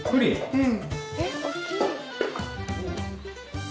うん。